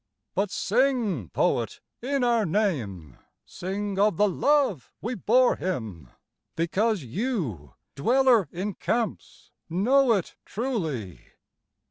But sing poet in our name, Sing of the love we bore him because you, dweller in camps, know it truly.